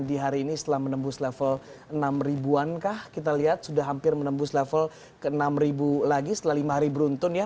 di hari ini setelah menembus level enam ribuan kah kita lihat sudah hampir menembus level ke enam ribu lagi setelah lima hari beruntun ya